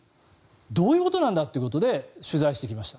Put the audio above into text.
どういうことなんだっていうことで取材してきました。